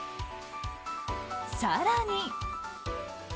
更に。